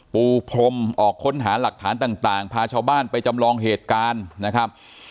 ปูพรมออกค้นหาหลักฐานต่างพาชาวบ้านไปจำลองเหตุการณ์นะครับ